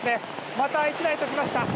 また１台ときました。